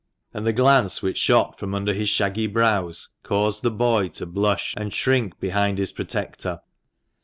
And the glance which shot from under his shaggy brows caused the boy to blush, and shrink behind his protector.